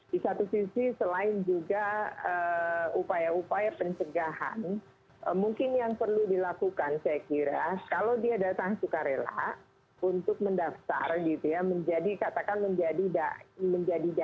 di satu sisi selain juga upaya upaya pencegahan mungkin yang perlu dilakukan saya kira kalau dia datang sukarela untuk mendaftar gitu ya menjadikan katakan menjadi jaih yang diakui oleh mu'i atau mendaftar gitu ya